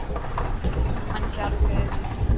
سمن شال پيري تي.